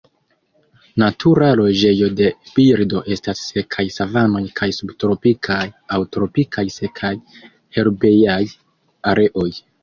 Natura loĝejo de birdo estas sekaj savanoj kaj subtropikaj aŭ tropikaj sekaj herbejaj areoj.